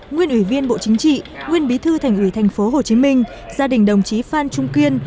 nguyên ủy viên bộ chính trị nguyên bí thư thành ủy tp hcm gia đình đồng chí phan trung kiên